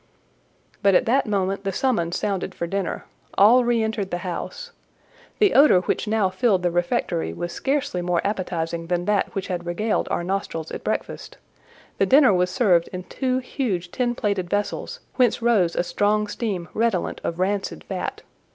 But at that moment the summons sounded for dinner; all re entered the house. The odour which now filled the refectory was scarcely more appetising than that which had regaled our nostrils at breakfast: the dinner was served in two huge tin plated vessels, whence rose a strong steam redolent of rancid fat.